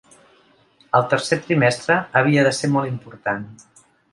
El tercer trimestre havia de ser molt important.